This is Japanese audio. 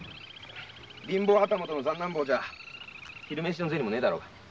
貧乏旗本の三男坊じゃ昼メシのゼニも無えだろう。